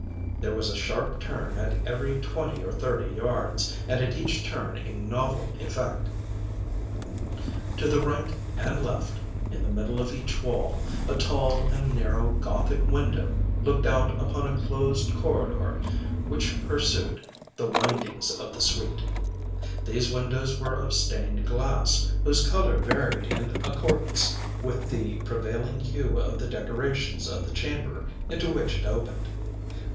There was a sharp turn at every twenty or thirty yards, and at each turn a novel effect. To the right and left, in the middle of each wall, a tall and narrow Gothic window looked out upon a closed corridor which pursued the windings of the suite. These windows were of stained glass whose color varied in accordance with the prevailing hue of the decorations of the chamber into which it opened.